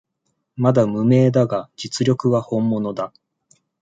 まだ無名だが実力は本物だ